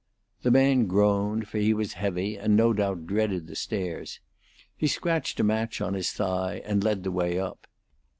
The man groaned, for he was heavy, and no doubt dreaded the stairs. He scratched a match on his thigh, and led the way up.